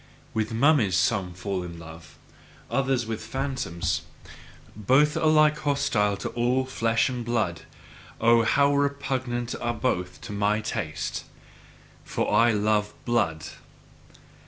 With mummies, some fall in love; others with phantoms: both alike hostile to all flesh and blood oh, how repugnant are both to my taste! For I love blood.